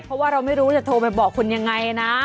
เพราะว่าเราไม่รู้จะโทรไปบอกคุณยังไงนะ